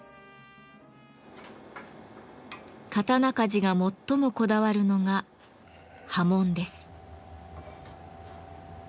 刀鍛冶が最もこだわるのが刃文です。